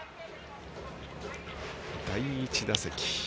第１打席。